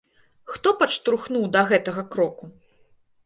Хто падштурхнуў да гэтага кроку?